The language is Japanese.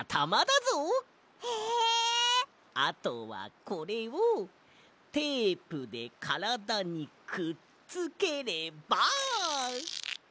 あとはこれをテープでからだにくっつければ。